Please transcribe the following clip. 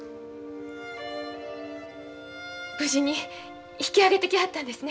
無事に引き揚げてきはったんですね。